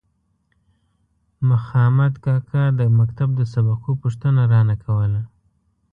مخامد کاکا د مکتب د سبقو پوښتنه رانه کوله.